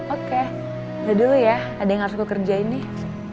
oke udah dulu ya ada yang harus kukerjain nih